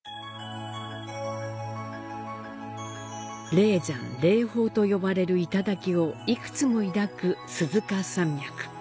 霊山、霊峰と呼ばれる頂を幾つも抱く鈴鹿山脈。